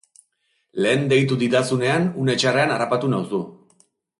Lehen deitu didazunean une txarrean harrapatu nauzu.